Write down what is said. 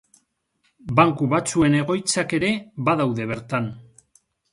Banku batzuen egoitzak ere badaude bertan.